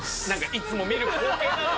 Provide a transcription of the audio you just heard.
いつも見る光景だな。